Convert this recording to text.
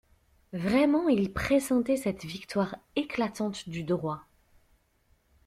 Vraiment il pressentait cette victoire éclatante du Droit.